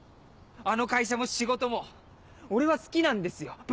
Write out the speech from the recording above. あの会社も仕事も俺は好きなんですよ！